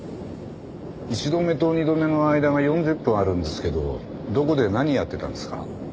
１度目と２度目の間が４０分あるんですけどどこで何やってたんですか？